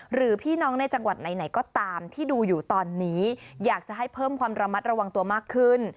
หรือพี่น้องในจังหวัดไหนก็ตามที่ดูอยู่ตอนนี้อยากจะให้เพิ่มความระมัดระวังตัวมากขึ้น